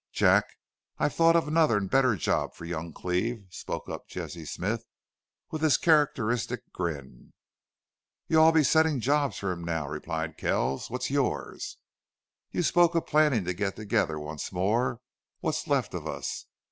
"Jack, I've thought of another an' better job for young Cleve," spoke up Jesse Smith, with his characteristic grin. "You'll all be setting him jobs now," replied Kells. "What's yours?" "You spoke of plannin' to get together once more what's left of us.